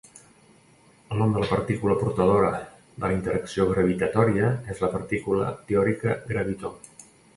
El nom de la partícula portadora de la interacció gravitatòria és la partícula teòrica gravitó.